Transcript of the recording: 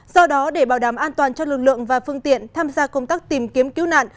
do đó để bảo đảm an toàn cho lực lượng và phương tiện tham gia công tác tìm kiếm cứu nạn